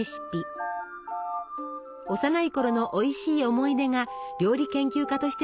幼いころのおいしい思い出が料理研究家としての原点です。